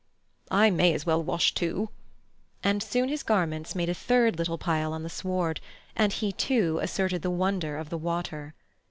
"I may as well wash too"; and soon his garments made a third little pile on the sward, and he too asserted the wonder of the water.